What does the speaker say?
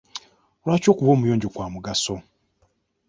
Lwaki okuba omuyonjo kwa mugaso?